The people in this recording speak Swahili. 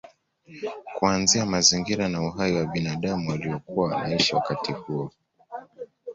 Kuanzia mazingira na uhai wa binadamu waliokuwa wanaishi wakati huo